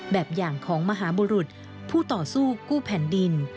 แบบอย่างของมหาบุรุษผู้ต่อสู้กู้แผ่นดิน